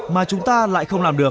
mà chúng ta lại không làm được